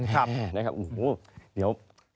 ครับนะครับโอ้โฮเดี๋ยว